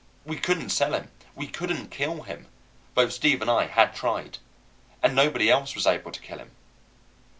We couldn't sell him, we couldn't kill him (both Steve and I had tried), and nobody else was able to kill him.